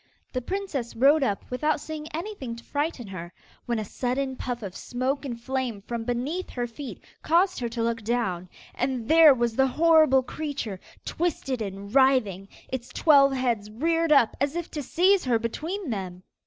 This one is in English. The princess rode up without seeing anything to frighten her, when a sudden puff of smoke and flame from beneath her feet, caused her to look down, and there was the horrible creature twisted and writhing, its twelve heads reared up as if to seize her between them.